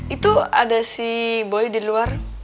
itu ada si boi di luar